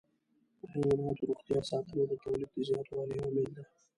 د حيواناتو روغتیا ساتنه د تولید د زیاتوالي عامل ده.